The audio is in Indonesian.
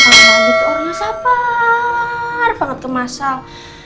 kalau mbak andien tuh orangnya sabar banget ke mas al